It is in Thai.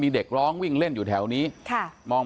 ฐานพระพุทธรูปทองคำ